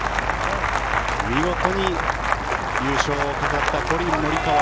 見事に優勝を飾ったコリン・モリカワ